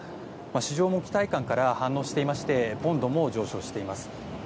市場も期待感から反応していましてポンドも上昇しています。